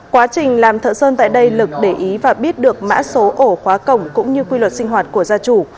quá trình làm thợ sơn tại đây lực để ý và biết được mã số ổ khóa cổng cũng như quy luật sinh hoạt của gia chủ